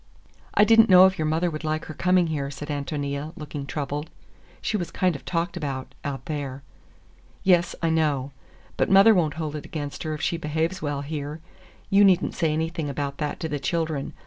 "I did n't know if your mother would like her coming here," said Ántonia, looking troubled. "She was kind of talked about, out there." "Yes, I know. But mother won't hold it against her if she behaves well here. You need n't say anything about that to the children.